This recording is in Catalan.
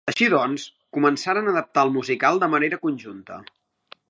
Així doncs, començaren a adaptar el musical de manera conjunta.